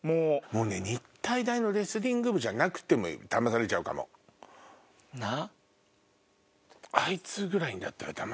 日体大のレスリング部じゃなくてもだまされちゃうかも。なぁ？